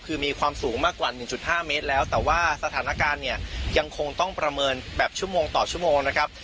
คือมีความสูงมากกว่า๑๕เมตรแล้วแต่ว่าสถานการณ์เนี่ยยังคงต้องประเมินแบบชั่วโมงต่อชั่วโมงนะครับ